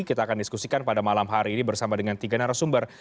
kita akan diskusikan pada malam hari ini bersama dengan tiga narasumber